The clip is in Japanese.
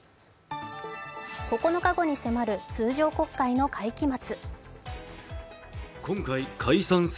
９日後に迫る通常国会の会期末。